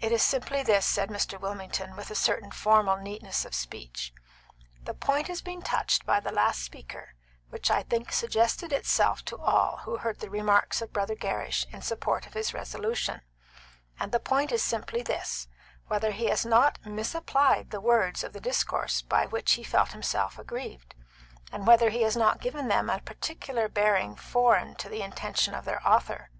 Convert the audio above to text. "It is simply this," said Mr. Wilmington, with a certain formal neatness of speech: "The point has been touched by the last speaker, which I think suggested itself to all who heard the remarks of Brother Gerrish in support of his resolution, and the point is simply this whether he has not misapplied the words of the discourse by which he felt himself aggrieved, and whether he has not given them a particular bearing foreign to the intention of their author.